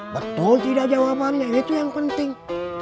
betul tidak jawabannya itu yang penting